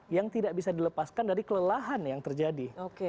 yang tidak bisa dilepaskan dari kelelahan yang terjadi